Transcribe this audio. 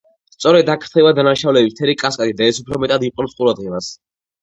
სწორედ აქ ხდება დანაშაულების მთელი კასკადი და ეს უფრო მეტად იპყრობს ყურადღებას.